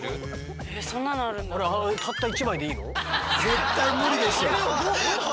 絶対無理でしょ？